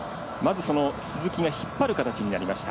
鈴木が引っ張る形になりました。